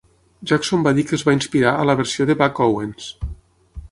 Jackson va dir que es va inspirar a la versió de Buck Owens.